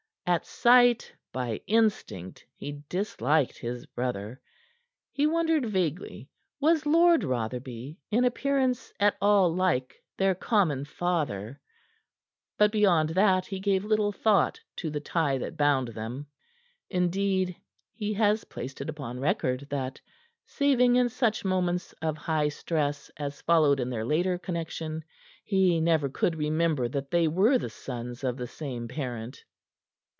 At sight, by instinct, he disliked his brother. He wondered vaguely was Lord Rotherby in appearance at all like their common father; but beyond that he gave little thought to the tie that bound them. Indeed, he has placed it upon record that, saving in such moments of high stress as followed in their later connection, he never could remember that they were the sons of the same parent.